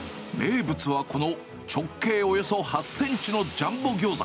名物はこの直径およそ８センチのジャンボギョーザ。